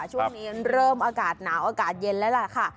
ช่วงนี้เริ่มอากาศหนาวอากาศเย็นแล้วล่ะค่ะ